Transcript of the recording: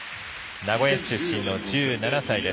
名古屋市出身の１７歳です。